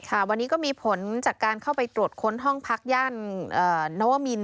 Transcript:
ค่ะวันนี้ก็มีผลจากการเข้าไปตรวจค้นห้องพักย่านนวมิน